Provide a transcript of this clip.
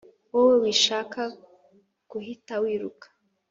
Wowe wishaka kuhita wiruka